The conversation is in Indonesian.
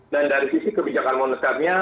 dan dari sisi kebijakan monesternya